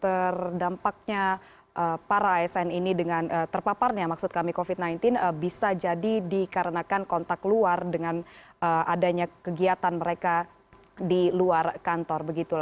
terdampaknya para asn ini dengan terpaparnya maksud kami covid sembilan belas bisa jadi dikarenakan kontak luar dengan adanya kegiatan mereka di luar kantor